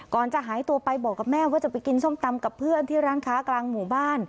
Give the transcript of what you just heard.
ก่อนจะหายตัวไปบอกกับแม่ว่าจะไปกินส้มตำกับเพื่อนที่ร้านค้ากลางหมู่บ้าน